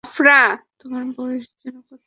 তোমার বয়স যেন কত বলেছিলে?